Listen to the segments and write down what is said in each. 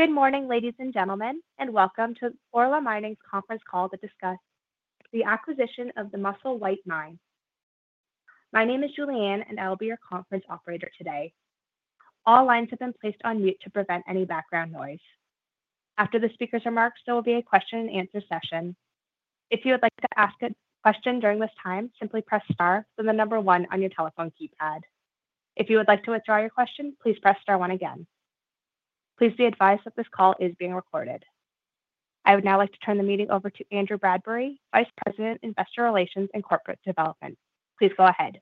Good morning, ladies and gentlemen, and welcome to Orla Mining's conference call to discuss the acquisition of the Musselwhite Mine. My name is Julianne, and I'll be your conference operator today. All lines have been placed on mute to prevent any background noise. After the speaker's remarks, there will be a question-and-answer session. If you would like to ask a question during this time, simply press star from the number one on your telephone keypad. If you would like to withdraw your question, please press star one again. Please be advised that this call is being recorded. I would now like to turn the meeting over to Andrew Bradbury, Vice President, Investor Relations and Corporate Development. Please go ahead.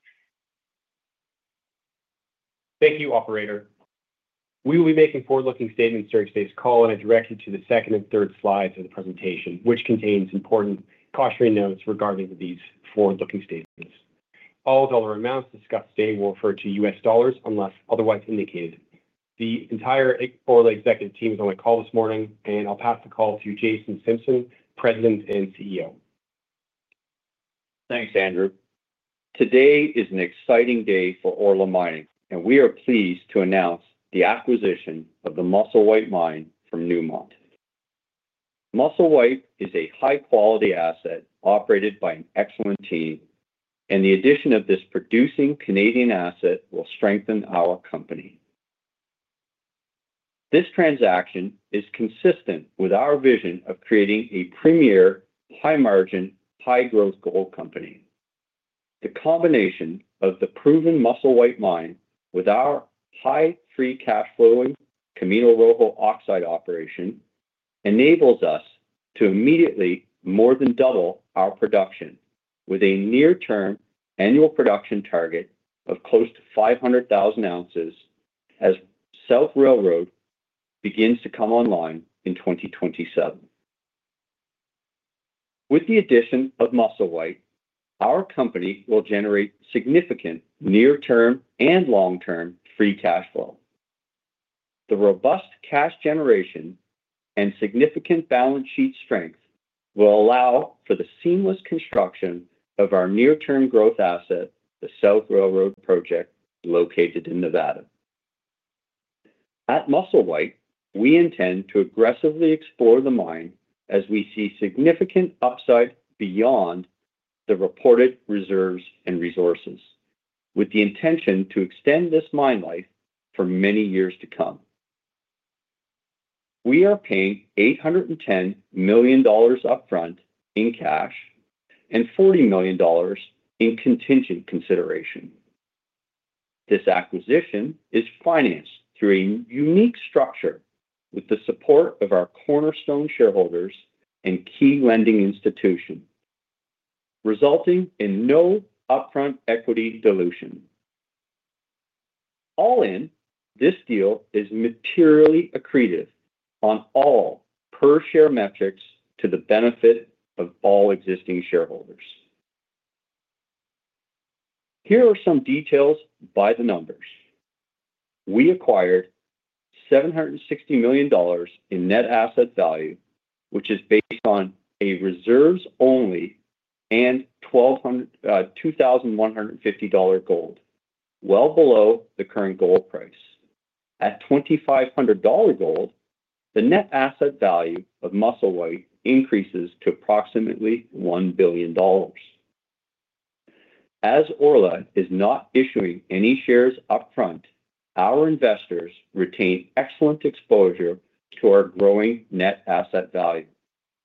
Thank you, Operator. We will be making forward-looking statements during today's call, and I direct you to the second and third slides of the presentation, which contain important cautionary notes regarding these forward-looking statements. All dollar amounts discussed today will refer to U.S. dollars unless otherwise indicated. The entire Orla executive team is on the call this morning, and I'll pass the call to Jason Simpson, President and CEO. Thanks, Andrew. Today is an exciting day for Orla Mining, and we are pleased to announce the acquisition of the Musselwhite Mine from Newmont. Musselwhite is a high-quality asset operated by an excellent team, and the addition of this producing Canadian asset will strengthen our company. This transaction is consistent with our vision of creating a premier, high-margin, high-growth gold company. The combination of the proven Musselwhite Mine with our high free cash flowing Camino Rojo Oxide operation enables us to immediately more than double our production, with a near-term annual production target of close to 500,000 ounces as South Railroad begins to come online in 2027. With the addition of Musselwhite, our company will generate significant near-term and long-term free cash flow. The robust cash generation and significant balance sheet strength will allow for the seamless construction of our near-term growth asset, the South Railroad Project located in Nevada. At Musselwhite Mine, we intend to aggressively explore the mine as we see significant upside beyond the reported reserves and resources, with the intention to extend this mine life for many years to come. We are paying $810 million upfront in cash and $40 million in contingent consideration. This acquisition is financed through a unique structure with the support of our cornerstone shareholders and key lending institutions, resulting in no upfront equity dilution. All in, this deal is materially accretive on all per-share metrics to the benefit of all existing shareholders. Here are some details by the numbers. We acquired $760 million in net asset value, which is based on a reserves-only and $2,150 gold, well below the current gold price. At $2,500 gold, the net asset value of Musselwhite increases to approximately $1 billion. As Orla is not issuing any shares upfront, our investors retain excellent exposure to our growing net asset value,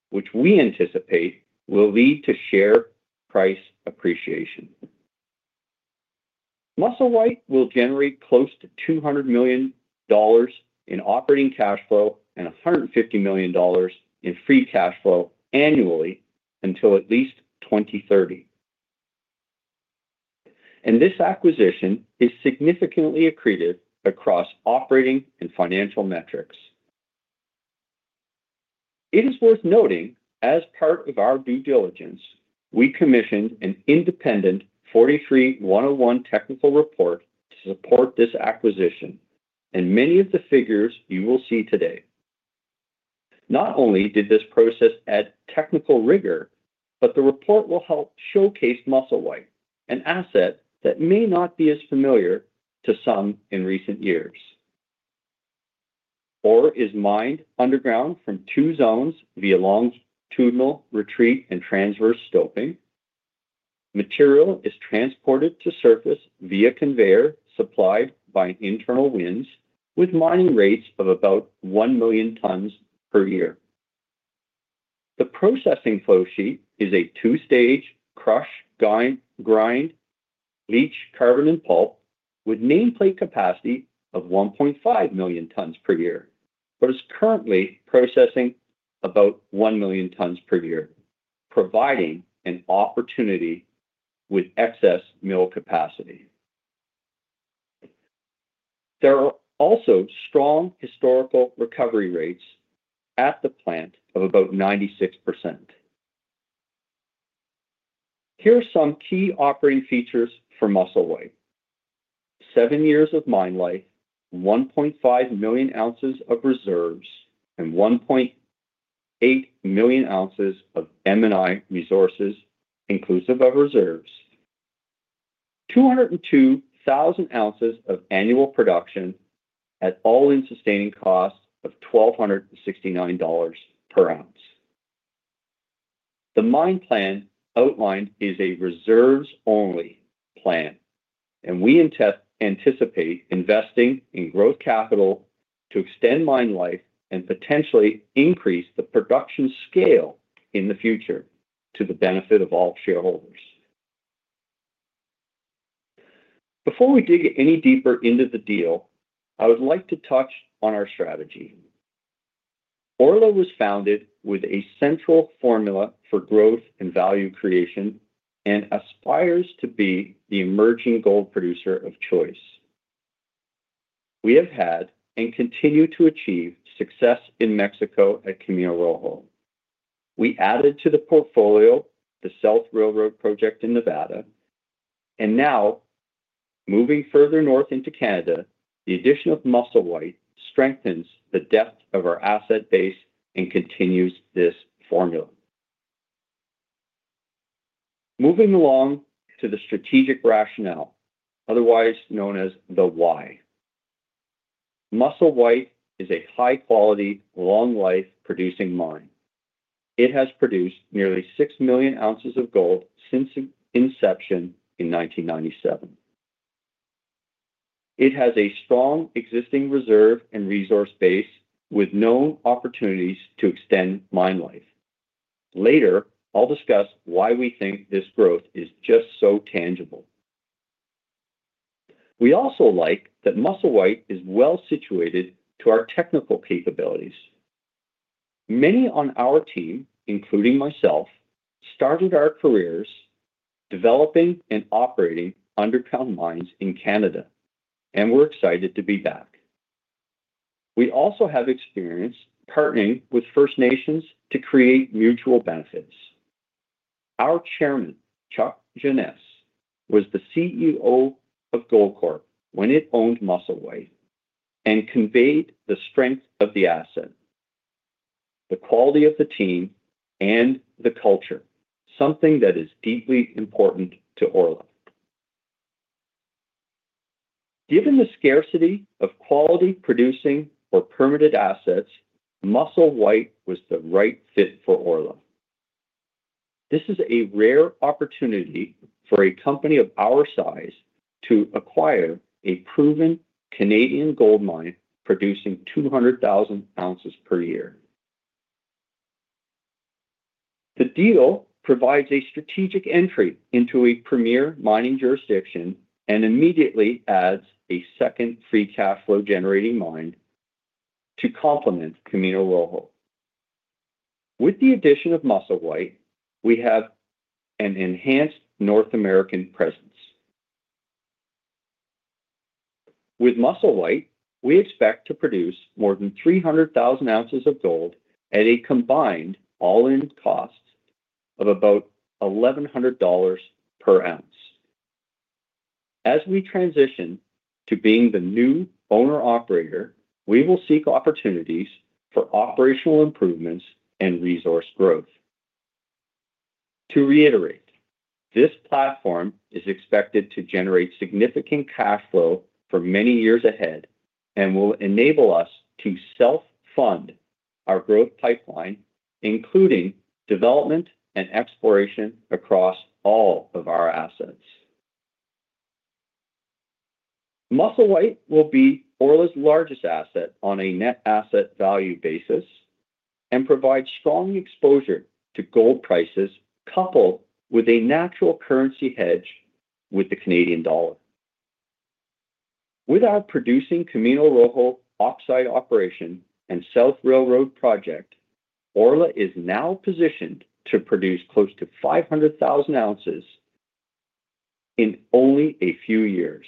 which we anticipate will lead to share price appreciation. Musselwhite will generate close to $200 million in operating cash flow and $150 million in free cash flow annually until at least 2030. This acquisition is significantly accretive across operating and financial metrics. It is worth noting, as part of our due diligence, we commissioned an independent 43-101 technical report to support this acquisition, and many of the figures you will see today. Not only did this process add technical rigor, but the report will help showcase Musselwhite, an asset that may not be as familiar to some in recent years. Ore is mined underground from two zones via longitudinal retreat and transverse stoping. Material is transported to surface via a conveyor supplied by internal winze, with mining rates of about one million tons per year. The processing flowsheet is a two-stage crush, grind, leach, carbon-in-pulp, with nameplate capacity of 1.5 million tons per year, but is currently processing about one million tons per year, providing an opportunity with excess mill capacity. There are also strong historical recovery rates at the plant of about 96%. Here are some key operating features for Musselwhite: seven years of mine life, 1.5 million ounces of reserves, and 1.8 million ounces of M&I resources, inclusive of reserves. 202,000 ounces of annual production at all-in sustaining cost of $1,269 per ounce. The mine plan outlined is a reserves-only plan, and we anticipate investing in growth capital to extend mine life and potentially increase the production scale in the future to the benefit of all shareholders. Before we dig any deeper into the deal, I would like to touch on our strategy. Orla was founded with a central formula for growth and value creation and aspires to be the emerging gold producer of choice. We have had and continue to achieve success in Mexico at Camino Rojo. We added to the portfolio the South Railroad Project in Nevada, and now, moving further north into Canada, the addition of Musselwhite strengthens the depth of our asset base and continues this formula. Moving along to the strategic rationale, otherwise known as the why. Musselwhite is a high-quality, long-life producing mine. It has produced nearly 6 million ounces of gold since inception in 1997. It has a strong existing reserve and resource base with known opportunities to extend mine life. Later, I'll discuss why we think this growth is just so tangible. We also like that Musselwhite Mine is well situated to our technical capabilities. Many on our team, including myself, started our careers developing and operating underground mines in Canada, and we're excited to be back. We also have experience partnering with First Nations to create mutual benefits. Our Chairman, Chuck Jeannes, was the CEO of Goldcorp when it owned Musselwhite Mine and conveyed the strength of the asset, the quality of the team, and the culture, something that is deeply important to Orla. Given the scarcity of quality producing or permitted assets, Musselwhite Mine was the right fit for Orla. This is a rare opportunity for a company of our size to acquire a proven Canadian gold mine producing 200,000 ounces per year. The deal provides a strategic entry into a premier mining jurisdiction and immediately adds a second free cash flow generating mine to complement Camino Rojo. With the addition of Musselwhite, we have an enhanced North American presence. With Musselwhite, we expect to produce more than 300,000 ounces of gold at a combined all-in cost of about $1,100 per ounce. As we transition to being the new owner-operator, we will seek opportunities for operational improvements and resource growth. To reiterate, this platform is expected to generate significant cash flow for many years ahead and will enable us to self-fund our growth pipeline, including development and exploration across all of our assets. Musselwhite will be Orla's largest asset on a net asset value basis and provide strong exposure to gold prices coupled with a natural currency hedge with the Canadian dollar. With our producing Camino Rojo oxide operation and South Railroad Project, Orla is now positioned to produce close to 500,000 ounces in only a few years.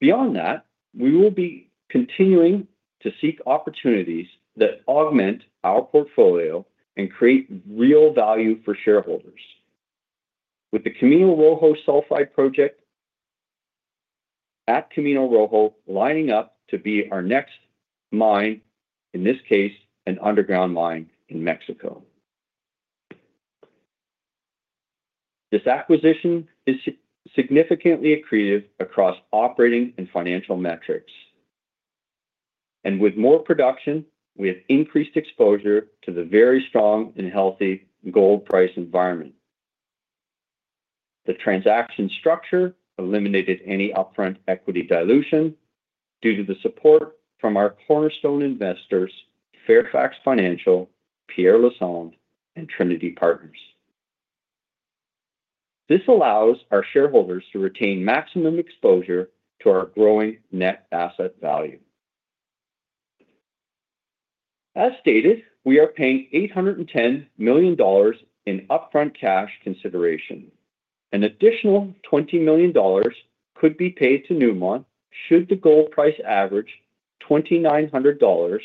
Beyond that, we will be continuing to seek opportunities that augment our portfolio and create real value for shareholders. With the Camino Rojo Sulphide Project at Camino Rojo lining up to be our next mine, in this case, an underground mine in Mexico. This acquisition is significantly accretive across operating and financial metrics. And with more production, we have increased exposure to the very strong and healthy gold price environment. The transaction structure eliminated any upfront equity dilution due to the support from our cornerstone investors, Fairfax Financial, Pierre Lassonde, and Trinity Capital Partners. This allows our shareholders to retain maximum exposure to our growing net asset value. As stated, we are paying $810 million in upfront cash consideration. An additional $20 million could be paid to Newmont should the gold price average $2,900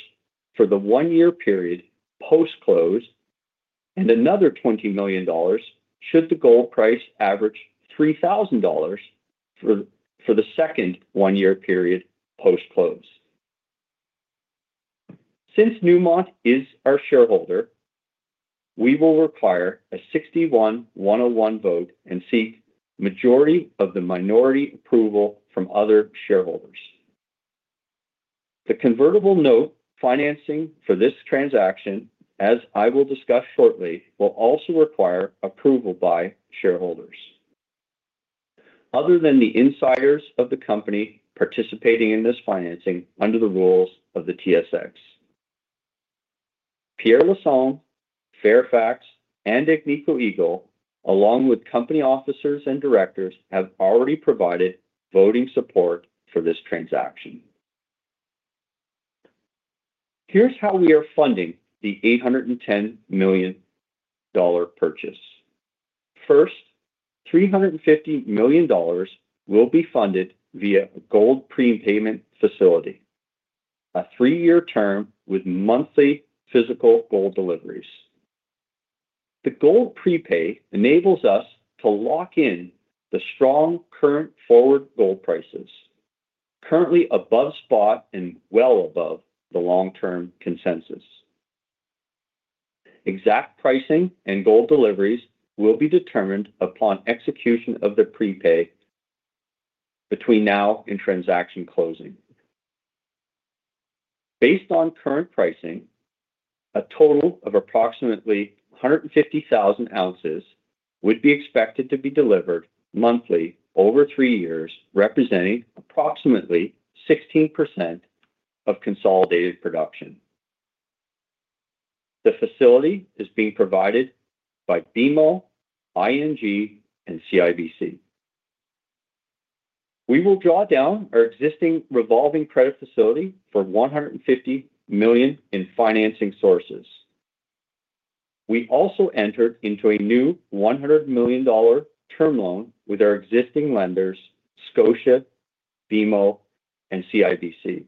for the one-year period post-close, and another $20 million should the gold price average $3,000 for the second one-year period post-close. Since Newmont is our shareholder, we will require a 61-101 vote and seek majority of the minority approval from other shareholders. The convertible note financing for this transaction, as I will discuss shortly, will also require approval by shareholders, other than the insiders of the company participating in this financing under the rules of the TSX. Pierre Lassonde, Fairfax, and Agnico Eagle, along with company officers and directors, have already provided voting support for this transaction. Here's how we are funding the $810 million purchase. First, $350 million will be funded via a gold prepayment facility, a three-year term with monthly physical gold deliveries. The gold prepay enables us to lock in the strong current forward gold prices, currently above spot and well above the long-term consensus. Exact pricing and gold deliveries will be determined upon execution of the prepay between now and transaction closing. Based on current pricing, a total of approximately 150,000 ounces would be expected to be delivered monthly over three years, representing approximately 16% of consolidated production. The facility is being provided by BMO, ING, and CIBC. We will draw down our existing revolving credit facility for $150 million in financing sources. We also entered into a new $100 million term loan with our existing lenders, Scotia, BMO, and CIBC,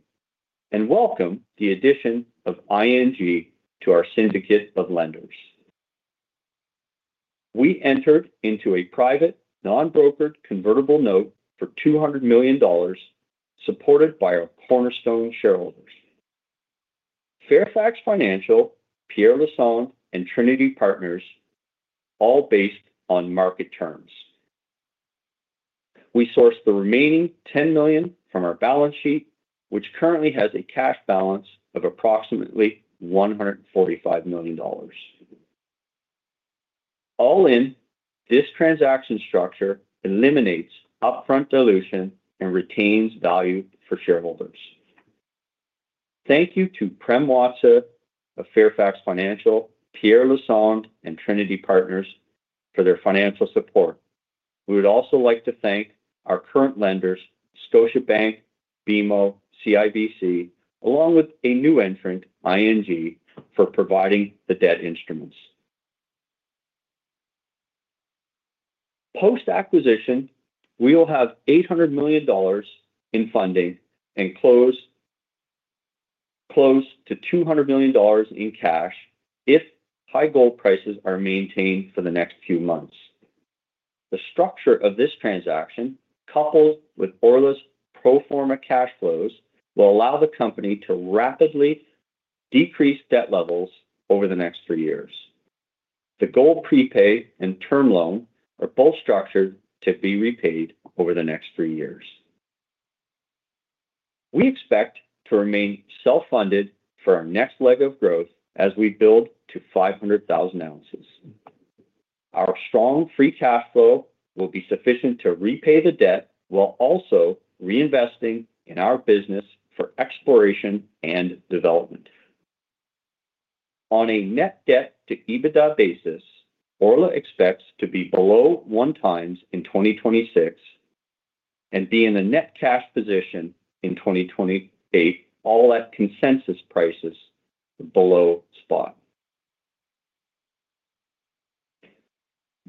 and welcome the addition of ING to our syndicate of lenders. We entered into a private, non-brokered convertible note for $200 million, supported by our cornerstone shareholders: Fairfax Financial, Pierre Lassonde, and Trinity Capital Partners, all based on market terms. We source the remaining $10 million from our balance sheet, which currently has a cash balance of approximately $145 million. All in, this transaction structure eliminates upfront dilution and retains value for shareholders. Thank you to Prem Watsa, Fairfax Financial, Pierre Lassonde, and Trinity Capital Partners for their financial support. We would also like to thank our current lenders, Scotiabank, BMO, CIBC, along with a new entrant, ING, for providing the debt instruments. Post-acquisition, we will have $800 million in funding and close to $200 million in cash if high gold prices are maintained for the next few months. The structure of this transaction, coupled with Orla's pro forma cash flows, will allow the company to rapidly decrease debt levels over the next three years. The gold prepay and term loan are both structured to be repaid over the next three years. We expect to remain self-funded for our next leg of growth as we build to 500,000 ounces. Our strong free cash flow will be sufficient to repay the debt while also reinvesting in our business for exploration and development. On a net debt-to-EBITDA basis, Orla expects to be below one times in 2026 and be in a net cash position in 2028, all at consensus prices below spot.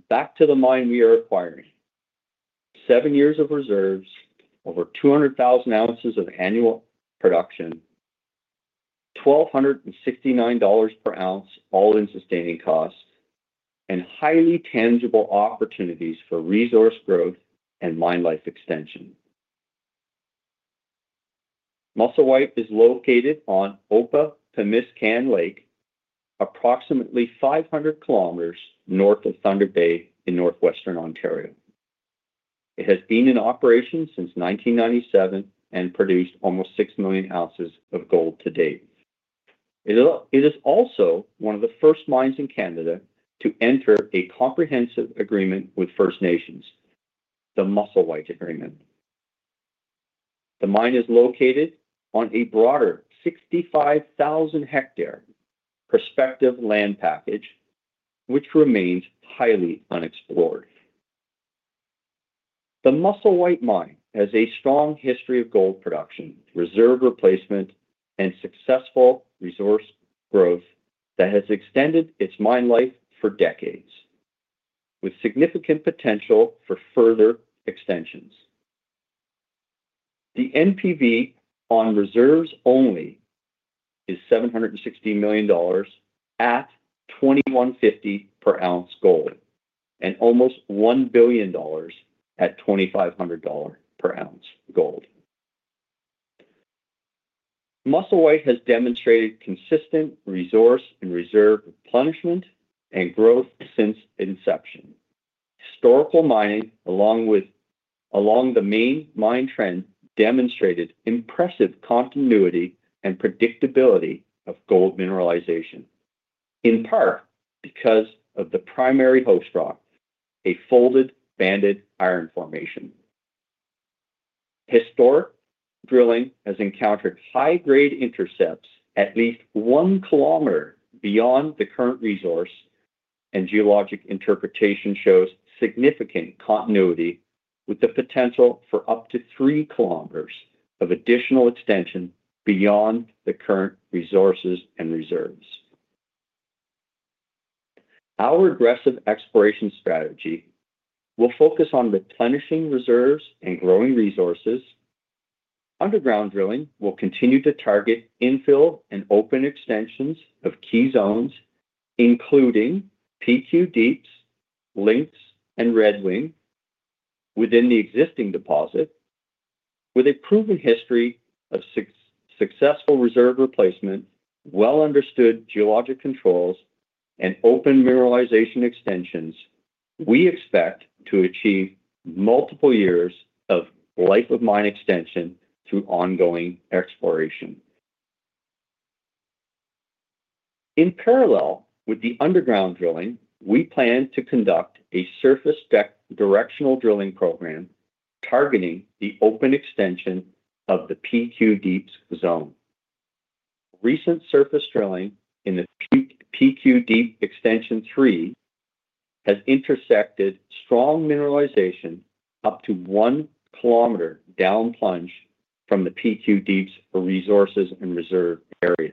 Back to the mine we are acquiring: seven years of reserves, over 200,000 ounces of annual production, $1,269 per ounce all-in sustaining costs, and highly tangible opportunities for resource growth and mine life extension. Musselwhite is located on Opapimiskan Lake, approximately 500 kilometers north of Thunder Bay in northwestern Ontario. It has been in operation since 1997 and produced almost 6 million ounces of gold to date. It is also one of the first mines in Canada to enter a comprehensive agreement with First Nations, the Musselwhite Agreement. The mine is located on a broader 65,000-hectare prospective land package, which remains highly unexplored. The Musselwhite Mine has a strong history of gold production, reserve replacement, and successful resource growth that has extended its mine life for decades, with significant potential for further extensions. The NPV on reserves only is $760 million at $2,150 per ounce gold and almost $1 billion at $2,500 per ounce gold. Musselwhite has demonstrated consistent resource and reserve replenishment and growth since inception. Historical mining, along with the main mine trend, demonstrated impressive continuity and predictability of gold mineralization, in part because of the primary host rock, a folded banded iron formation. Historic drilling has encountered high-grade intercepts at least one kilometer beyond the current resource, and geologic interpretation shows significant continuity with the potential for up to three kilometers of additional extension beyond the current resources and reserves. Our aggressive exploration strategy will focus on replenishing reserves and growing resources. Underground drilling will continue to target infill and open extensions of key zones, including PQ Deeps, Lynx, and Redwing, within the existing deposit. With a proven history of successful reserve replacement, well-understood geologic controls, and open mineralization extensions, we expect to achieve multiple years of life of mine extension through ongoing exploration. In parallel with the underground drilling, we plan to conduct a surface-based directional drilling program targeting the open extension of the PQ Deeps zone. Recent surface drilling in the PQ Deeps extension three has intersected strong mineralization up to one kilometer downplunge from the PQ Deeps resources and reserve area.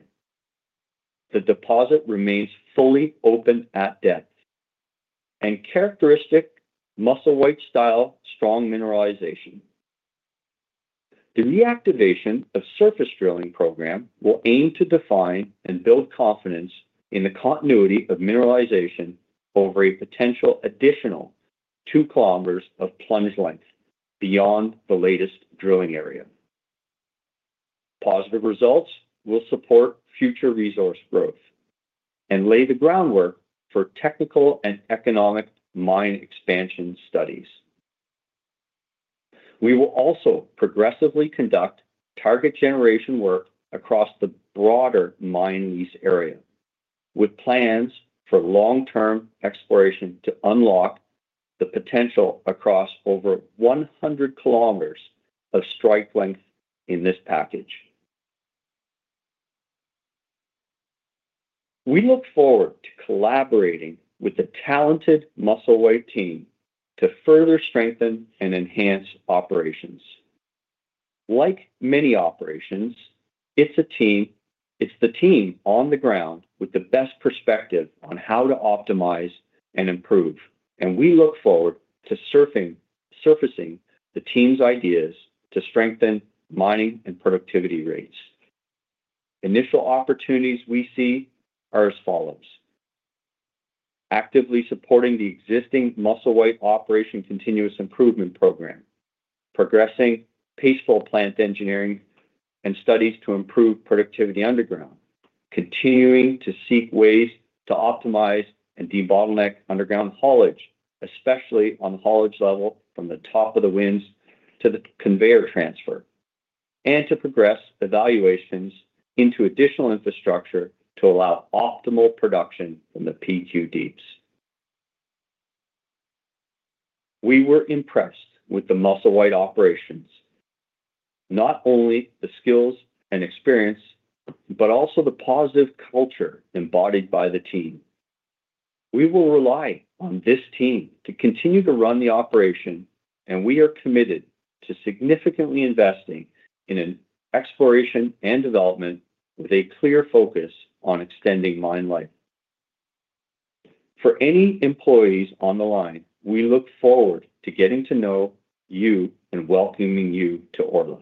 The deposit remains fully open at depth and characteristic Musselwhite-style strong mineralization. The reactivation of surface drilling program will aim to define and build confidence in the continuity of mineralization over a potential additional two kilometers of plunge length beyond the latest drilling area. Positive results will support future resource growth and lay the groundwork for technical and economic mine expansion studies. We will also progressively conduct target generation work across the broader mine lease area, with plans for long-term exploration to unlock the potential across over 100 kilometers of strike length in this package. We look forward to collaborating with the talented Musselwhite team to further strengthen and enhance operations. Like many operations, it's the team on the ground with the best perspective on how to optimize and improve, and we look forward to surfacing the team's ideas to strengthen mining and productivity rates. Initial opportunities we see are as follows: actively supporting the existing Musselwhite operation continuous improvement program, progressing process plant engineering and studies to improve productivity underground, continuing to seek ways to optimize and de-bottleneck underground haulage, especially on the haulage level from the top of the winze to the conveyor transfer, and to progress evaluations into additional infrastructure to allow optimal production from the PQ Deeps. We were impressed with the Musselwhite operations, not only the skills and experience, but also the positive culture embodied by the team. We will rely on this team to continue to run the operation, and we are committed to significantly investing in exploration and development with a clear focus on extending mine life. For any employees on the line, we look forward to getting to know you and welcoming you to Orla.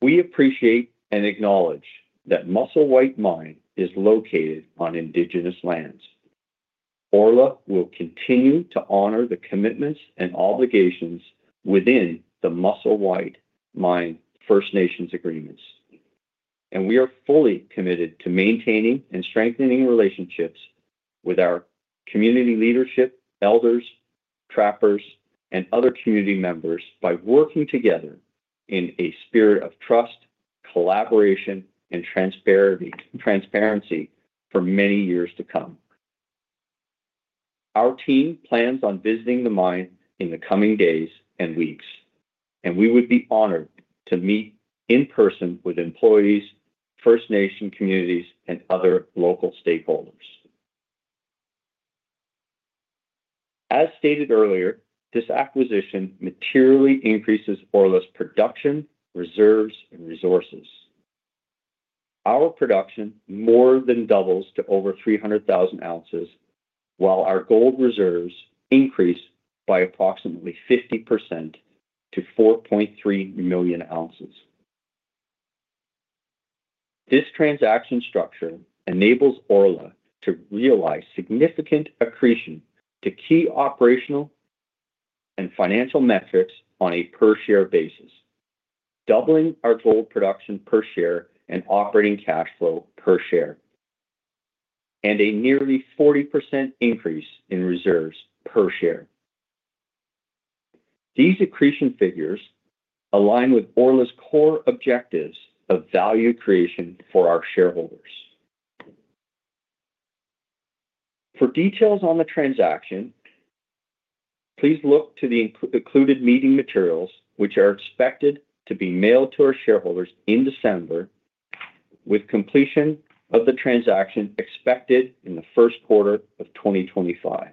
We appreciate and acknowledge that Musselwhite Mine is located on Indigenous lands. Orla will continue to honor the commitments and obligations within the Musselwhite Mine First Nations Agreements, and we are fully committed to maintaining and strengthening relationships with our community leadership, elders, trappers, and other community members by working together in a spirit of trust, collaboration, and transparency for many years to come. Our team plans on visiting the mine in the coming days and weeks, and we would be honored to meet in person with employees, First Nation communities, and other local stakeholders. As stated earlier, this acquisition materially increases Orla's production, reserves, and resources. Our production more than doubles to over 300,000 ounces, while our gold reserves increase by approximately 50% to 4.3 million ounces. This transaction structure enables Orla to realize significant accretion to key operational and financial metrics on a per-share basis, doubling our gold production per share and operating cash flow per share, and a nearly 40% increase in reserves per share. These accretion figures align with Orla's core objectives of value creation for our shareholders. For details on the transaction, please look to the included meeting materials, which are expected to be mailed to our shareholders in December, with completion of the transaction expected in the first quarter of 2025.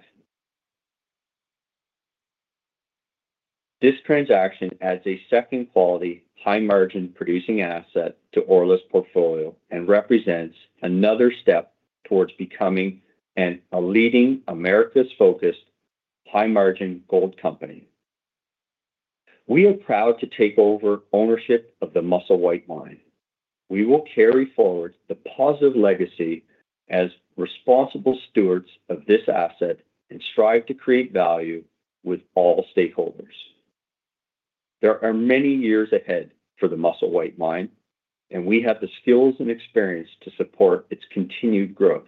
This transaction adds a second quality, high-margin producing asset to Orla's portfolio and represents another step towards becoming a leading America-focused high-margin gold company. We are proud to take over ownership of the Musselwhite Mine. We will carry forward the positive legacy as responsible stewards of this asset and strive to create value with all stakeholders. There are many years ahead for the Musselwhite Mine, and we have the skills and experience to support its continued growth.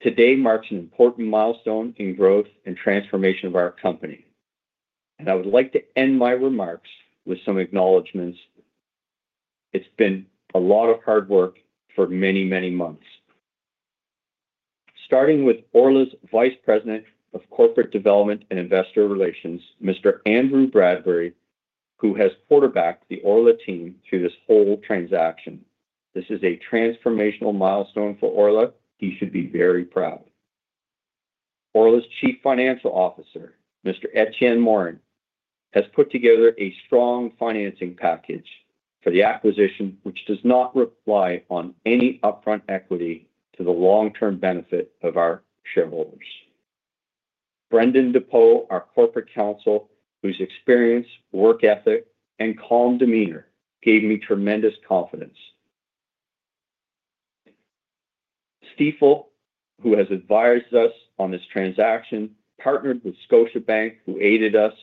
Today marks an important milestone in growth and transformation of our company, and I would like to end my remarks with some acknowledgments. It's been a lot of hard work for many, many months. Starting with Orla's Vice President of Corporate Development and Investor Relations, Mr. Andrew Bradbury, who has quarterbacked the Orla team through this whole transaction. This is a transformational milestone for Orla. He should be very proud. Orla's Chief Financial Officer, Mr. Etienne Morin has put together a strong financing package for the acquisition, which does not rely on any upfront equity to the long-term benefit of our shareholders. Brendan Dupuis, our corporate counsel, whose experience, work ethic, and calm demeanor gave me tremendous confidence. Stifel, who has advised us on this transaction, partnered with Scotiabank, who aided us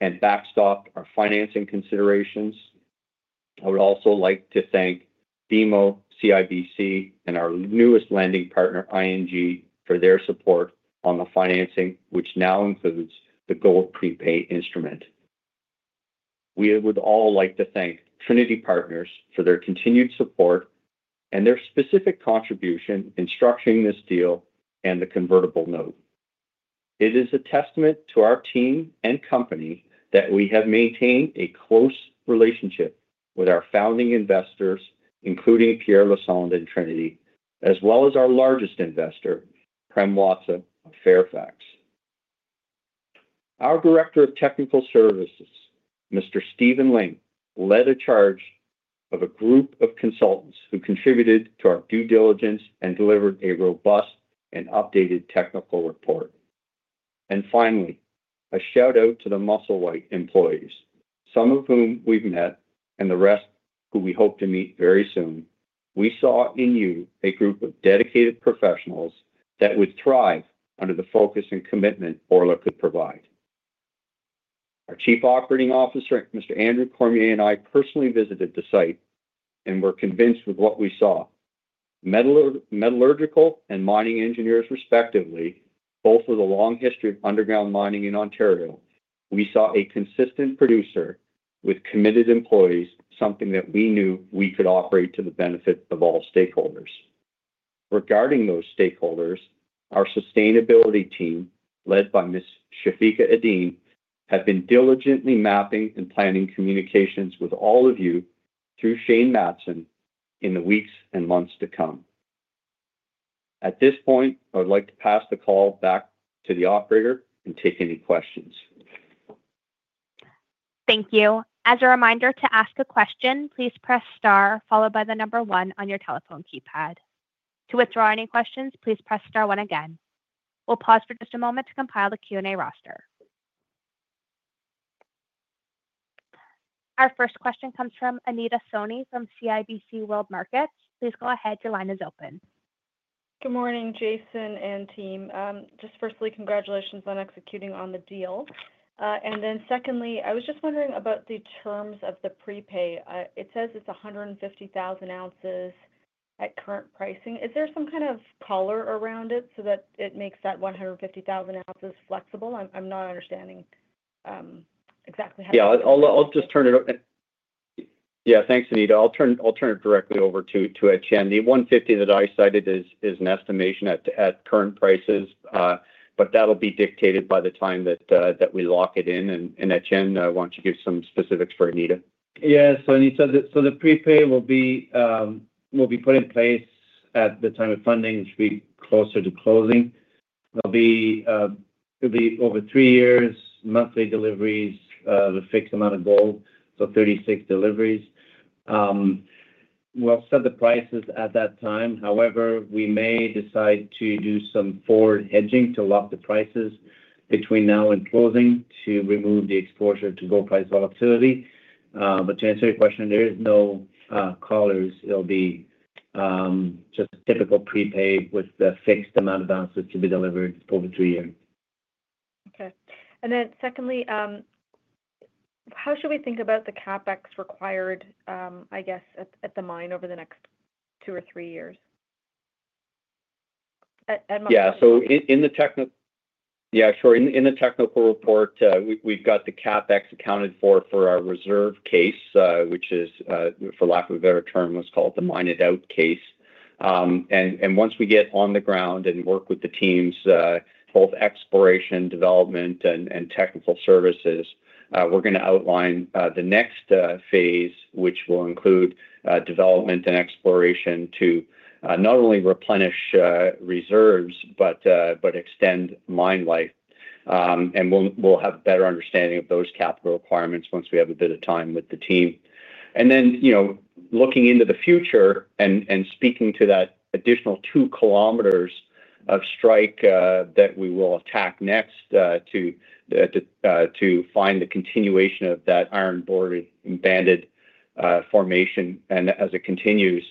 and backstopped our financing considerations. I would also like to thank BMO, CIBC, and our newest lending partner, ING, for their support on the financing, which now includes the gold prepay instrument. We would all like to thank Trinity Capital Partners for their continued support and their specific contribution in structuring this deal and the convertible note. It is a testament to our team and company that we have maintained a close relationship with our founding investors, including Pierre Lassonde and Trinity, as well as our largest investor, Prem Watsa, Fairfax. Our Director of Technical Services, Mr. Stephen Link, led a charge of a group of consultants who contributed to our due diligence and delivered a robust and updated technical report. Finally, a shout-out to the Musselwhite employees, some of whom we've met and the rest who we hope to meet very soon. We saw in you a group of dedicated professionals that would thrive under the focus and commitment Orla could provide. Our Chief Operating Officer, Mr. Andrew Cormier, and I personally visited the site and were convinced with what we saw. Metallurgical and mining engineers, respectively, both with a long history of underground mining in Ontario, we saw a consistent producer with committed employees, something that we knew we could operate to the benefit of all stakeholders. Regarding those stakeholders, our sustainability team, led by Ms. Chafika Eddine, have been diligently mapping and planning communications with all of you through Shane Matson in the weeks and months to come. At this point, I would like to pass the call back to the operator and take any questions. Thank you. As a reminder, to ask a question, please press star, followed by the number one on your telephone keypad. To withdraw any questions, please press star one again. We'll pause for just a moment to compile the Q&A roster. Our first question comes from Anita Soni from CIBC World Markets. Please go ahead. Your line is open. Good morning, Jason and team. Just firstly, congratulations on executing on the deal. And then secondly, I was just wondering about the terms of the prepay. It says it's 150,000 ounces at current pricing. Is there some kind of color around it so that it makes that 150,000 ounces flexible? I'm not understanding exactly how. Yeah, I'll just turn it over. Yeah, thanks, Anita. I'll turn it directly over to Etienne. The 150 that I cited is an estimation at current prices, but that'll be dictated by the time that we lock it in. And Etienne, I want you to give some specifics for Anita. Yes. So Anita, so the prepay will be put in place at the time of funding, which will be closer to closing. It'll be over three years, monthly deliveries, the fixed amount of gold, so 36 deliveries. We'll set the prices at that time. However, we may decide to do some forward hedging to lock the prices between now and closing to remove the exposure to gold price volatility. But to answer your question, there is no collars. It'll be just typical prepay with the fixed amount of ounces to be delivered over three years. Okay. And then secondly, how should we think about the CapEx required, I guess, at the mine over the next two or three years? Yeah. So in the technical report, we've got the CapEx accounted for for our reserve case, which is, for lack of a better term, let's call it the mined-out case. And once we get on the ground and work with the teams, both exploration, development, and technical services, we're going to outline the next phase, which will include development and exploration to not only replenish reserves but extend mine life. And we'll have a better understanding of those capital requirements once we have a bit of time with the team. And then looking into the future and speaking to that additional two kilometers of strike that we will attack next to find the continuation of that banded iron formation. As it continues,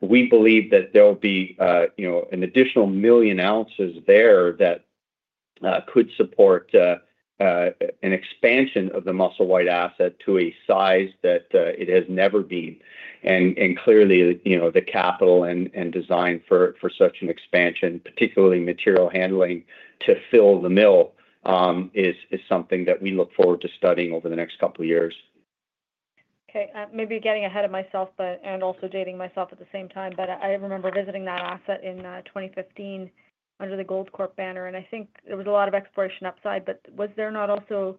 we believe that there will be an additional million ounces there that could support an expansion of the Musselwhite asset to a size that it has never been. And clearly, the capital and design for such an expansion, particularly material handling to fill the mill, is something that we look forward to studying over the next couple of years. Okay. Maybe getting ahead of myself and also dating myself at the same time, but I remember visiting that asset in 2015 under the Goldcorp banner. And I think there was a lot of exploration upside, but was there not also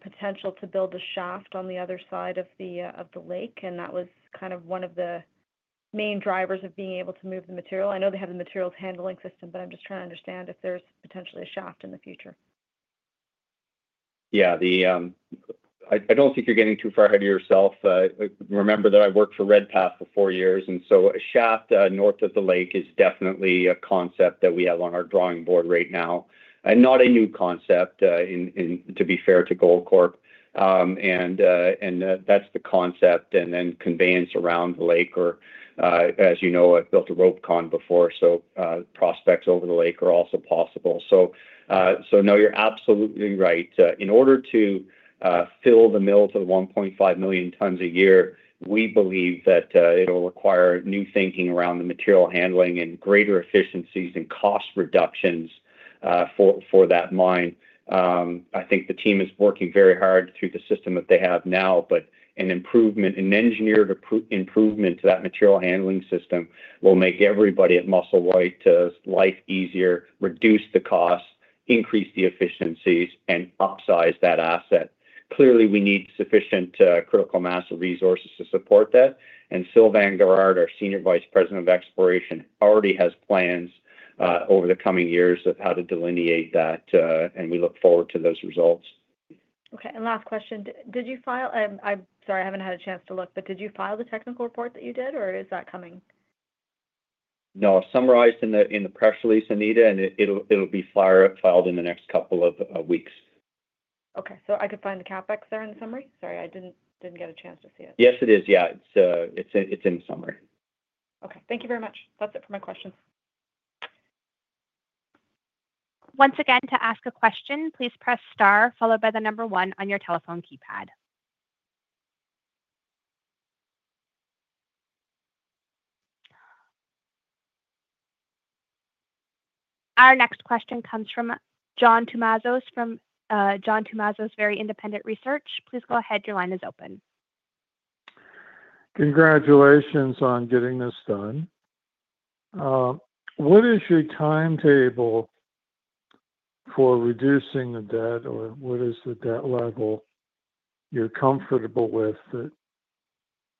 potential to build a shaft on the other side of the lake? And that was kind of one of the main drivers of being able to move the material. I know they have the materials handling system, but I'm just trying to understand if there's potentially a shaft in the future. Yeah. I don't think you're getting too far ahead of yourself. Remember that I worked for Redpath for four years. And so a shaft north of the lake is definitely a concept that we have on our drawing board right now. And not a new concept, to be fair to Goldcorp. And that's the concept. And then conveyance around the lake, or as you know, I've built a RopeCon before, so prospects over the lake are also possible. So no, you're absolutely right. In order to fill the mill to 1.5 million tons a year, we believe that it'll require new thinking around the material handling and greater efficiencies and cost reductions for that mine. I think the team is working very hard through the system that they have now, but an engineered improvement to that material handling system will make everybody at Musselwhite's life easier, reduce the cost, increase the efficiencies, and upsize that asset. Clearly, we need sufficient critical mass of resources to support that. And Sylvain Guerard, our Senior Vice President of Exploration, already has plans over the coming years of how to delineate that, and we look forward to those results. Okay. And last question. Did you file? I'm sorry, I haven't had a chance to look, but did you file the technical report that you did, or is that coming? No, summarized in the press release, Anita, and it'll be filed in the next couple of weeks. Okay. So I could find the CapEx there in the summary? Sorry, I didn't get a chance to see it. Yes, it is. Yeah. It's in the summary. Okay. Thank you very much. That's it for my questions. Once again, to ask a question, please press star, followed by the number one on your telephone keypad. Our next question comes from John Tumazos from John Tumazos Very Independent Research. Please go ahead. Your line is open. Congratulations on getting this done. What is your timetable for reducing the debt, or what is the debt level you're comfortable with that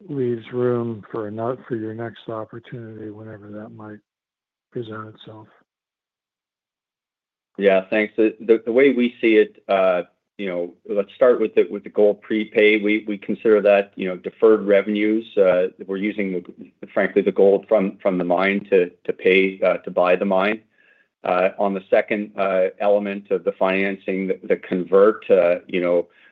leaves room for your next opportunity whenever that might present itself? Yeah. Thanks. The way we see it, let's start with the gold prepay. We consider that deferred revenues. We're using, frankly, the gold from the mine to buy the mine. On the second element of the financing, the convert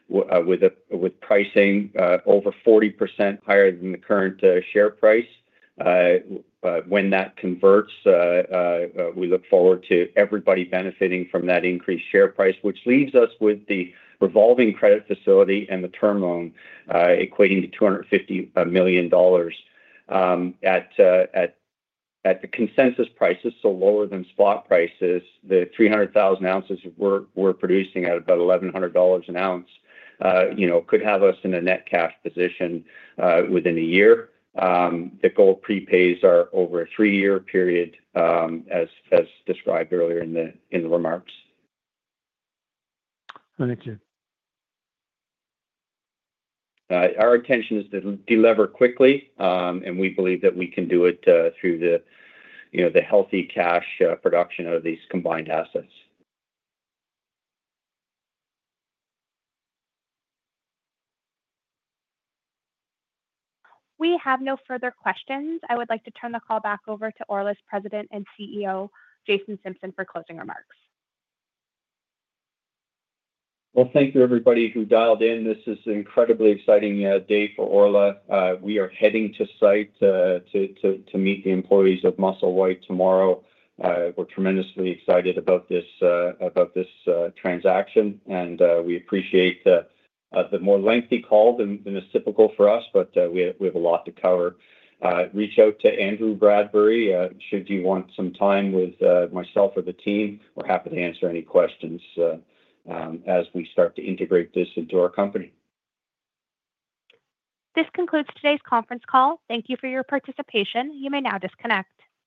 with pricing over 40% higher than the current share price. When that converts, we look forward to everybody benefiting from that increased share price, which leaves us with the revolving credit facility and the term loan equating to $250 million. At the consensus prices, so lower than spot prices, the 300,000 ounces we're producing at about $1,100 an ounce could have us in a net cash position within a year. The gold prepays are over a three-year period, as described earlier in the remarks. Thank you. Our intention is to deliver quickly, and we believe that we can do it through the healthy cash production of these combined assets. We have no further questions. I would like to turn the call back over to Orla's President and CEO, Jason Simpson, for closing remarks. Well, thank you, everybody who dialed in. This is an incredibly exciting day for Orla. We are heading to site to meet the employees of Musselwhite tomorrow. We're tremendously excited about this transaction, and we appreciate the more lengthy call than is typical for us, but we have a lot to cover. Reach out to Andrew Bradbury. Should you want some time with myself or the team, we're happy to answer any questions as we start to integrate this into our company. This concludes today's conference call. Thank you for your participation. You may now disconnect.